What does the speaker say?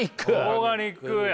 オーガニックや。